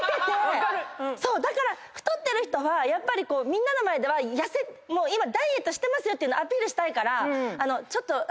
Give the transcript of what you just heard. だから太ってる人はやっぱりみんなの前では今ダイエットしてますよっていうのアピールしたいからちょっと。